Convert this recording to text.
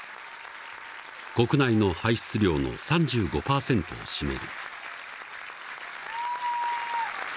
国内の排出量の３５％を占める。